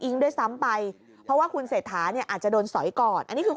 ด้วยซ้ำไปเพราะว่าคุณเศรษฐาเนี่ยอาจจะโดนสอยก่อนอันนี้คือ